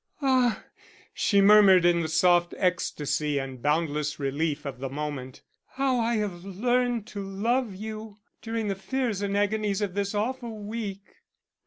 "Ah!" she murmured in the soft ecstasy and boundless relief of the moment, "how I have learned to love you during the fears and agonies of this awful week."